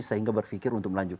sehingga berpikir untuk melanjutkan